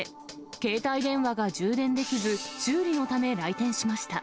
携帯電話が充電できず、修理のため、来店しました。